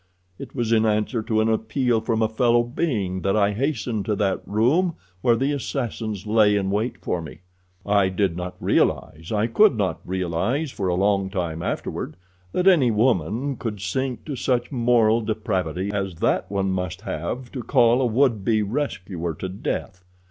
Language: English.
It was in answer to an appeal from a fellow being that I hastened to that room where the assassins lay in wait for me. "I did not realize, I could not realize for a long time afterward, that any woman could sink to such moral depravity as that one must have to call a would be rescuer to death.